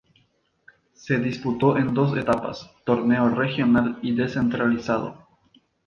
Se disputó en dos etapas: Torneo Regional y Descentralizado.